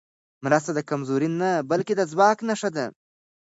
مرسته د کمزورۍ نه، بلکې د ځواک نښه ده.